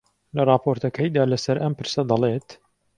لە ڕاپۆرتەکەیدا لەسەر ئەم پرسە دەڵێت: